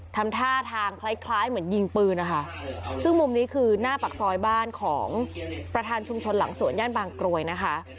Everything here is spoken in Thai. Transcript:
ทำท่าทางคล้ายคล้ายเหมือนยิงปืนนะคะซึ่งมุมนี้คือหน้าปากซอยบ้านของประธานชุมชนหลังสวนย่านบางกรวยนะคะ